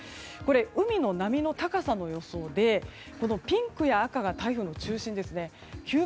海の波の高さの予想でピンクや赤が台風の中心ですね。